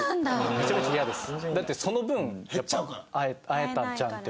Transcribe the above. めちゃめちゃ嫌です。